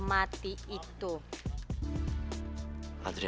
yang tidak henang